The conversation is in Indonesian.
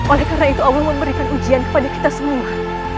oleh karena itu allah memberikan ujian kepada kita semua